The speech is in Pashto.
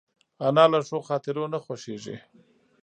انا له ښو خاطرو نه خوښېږي